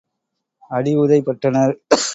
அடி உதை பட்டனர்.